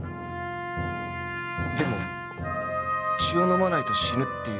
でも血を飲まないと死ぬっていうのは。